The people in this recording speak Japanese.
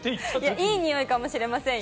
いいにおいかもしれませんよ。